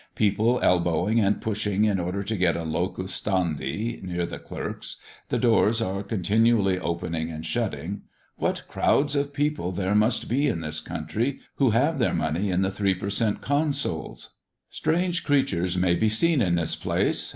People elbowing and pushing in order to get a locus standi near the clerks; the doors are continually opening and shutting. What crowds of people there must be in this country who have their money in the three per cent. Consols! Strange figures may be seen in this place.